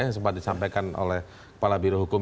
yang sempat disampaikan oleh kepala biro hukum